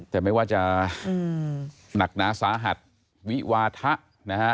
แต่ไม่ว่าจะหนักหนาสาหัสวิวาทะนะฮะ